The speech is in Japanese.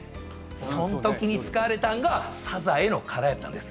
そんときに使われたんがサザエの殻やったんです。